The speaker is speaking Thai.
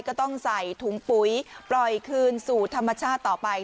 ก็ต้องใส่ถุงปุ๋ยปล่อยคืนสู่ธรรมชาติต่อไป